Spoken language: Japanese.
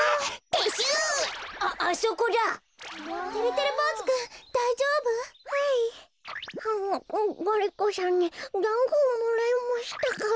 ガリ子さんにだんごをもらいましたから。